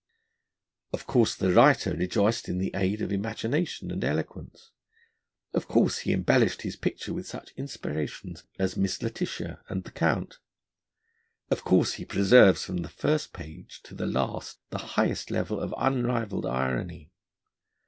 Of course the writer rejoiced in the aid of imagination and eloquence; of course he embellished his picture with such inspirations as Miss Laetitia and the Count; of course he preserves from the first page to the last the highest level of unrivalled irony.